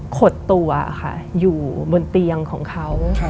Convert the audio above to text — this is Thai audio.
ขดตัวค่ะอยู่บนเตียงของเขา